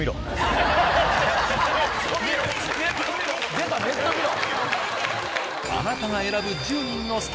出た「ネット見ろ」！